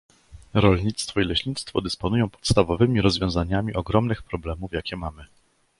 Rolnictwo i leśnictwo dysponują podstawowymi rozwiązaniami ogromnych problemów, jakie mamy